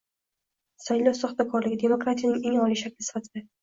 saylov soxtakorligini – demokratiyaning eng oliy shakli sifatida;